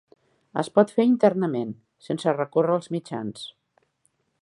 Es pot fer internament, sense recórrer als mitjans.